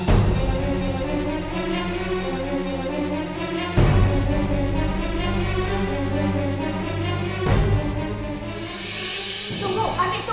tunggu adik tunggu